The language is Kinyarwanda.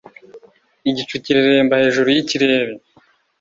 Igicu kireremba hejuru yikirere.